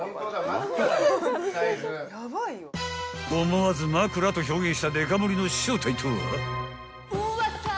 ［思わず枕と表現したデカ盛りの正体とは］